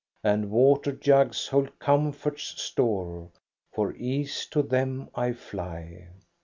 And water jugs hold comfort's store ; For ease to them I fly."